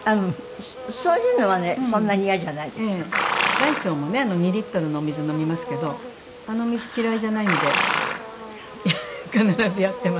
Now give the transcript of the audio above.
大腸もね２リットルのお水飲みますけどあの水嫌いじゃないんで必ずやってます。